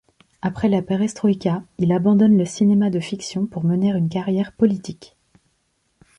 Après la Perestroika, il abandonne le cinéma de fiction pour mener une carrière politique.